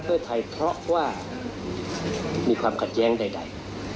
เพื่อไทยเพราะว่ามีความขัดแย้งใด